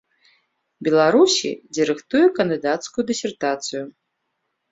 Беларусі, дзе рыхтуе кандыдацкую дысертацыю.